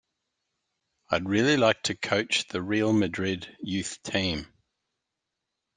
I'd really like to coach the Real Madrid youth team.